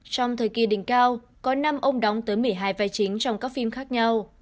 trong thời kỳ đỉnh cao có năm ông đóng tới mỉ hai vai chính trong các phim khác nhau